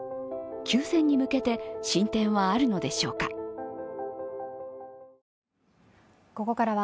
休戦に向けて進展はあるのでしょうか。